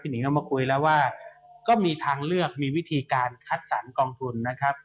หิงก็มาคุยแล้วว่าก็มีทางเลือกมีวิธีการคัดสรรกองทุนนะครับ